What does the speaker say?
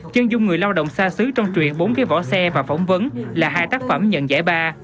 chân dung người lao động xa xứ trong truyền bốn cái võ xe và phỏng vấn là hai tác phẩm nhận giải ba